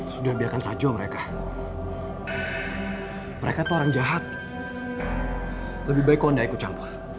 sudah biarkan saja mereka mereka tuh orang jahat lebih baik kau anda ikut campur